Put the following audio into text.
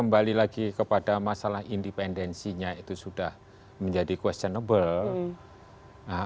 kembali lagi kepada masalah independensinya itu sudah menjadi questionnable